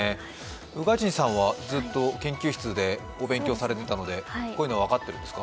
宇賀神さんはずっと研究室でお勉強されていたのでこういうのは分かってるんですか？